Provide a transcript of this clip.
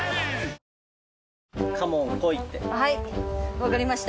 分かりました。